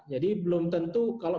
jadi belum tentu